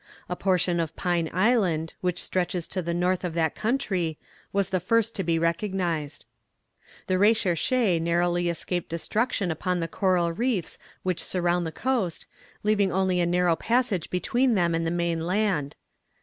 A portion of Pine Island, which stretches to the north of that country, was the first to be recognized. The Recherche narrowly escaped destruction upon the coral reefs which surround the coast, leaving only a narrow passage between them and the main land.